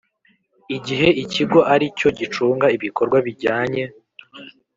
Igihe ikigo ari cyo gicunga ibikorwa bijyanye